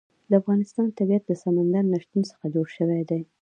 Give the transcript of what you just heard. د افغانستان طبیعت له سمندر نه شتون څخه جوړ شوی دی.